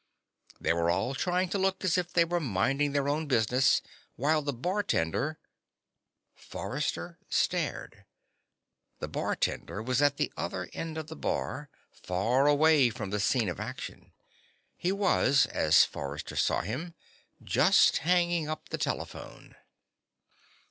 They were all trying to look as if they were minding their own business, while the bartender ... Forrester stared. The bartender was at the other end of the bar, far away from the scene of action. He was, as Forrester saw him, just hanging up the telephone.